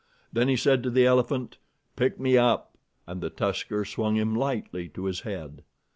Then he said to the elephant: "Pick me up!" and the tusker swung him lightly to his head.